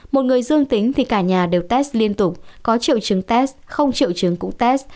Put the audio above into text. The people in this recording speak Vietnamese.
một người dương tính thì cả nhà đều test liên tục có triệu chứng test không triệu chứng cũng test